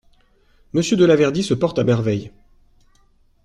Monsieur de Laverdy se porte à merveille.